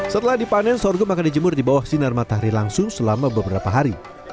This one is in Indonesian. setelah dipanen sorghum akan dijemur di bawah sinar matahari langsung selama beberapa hari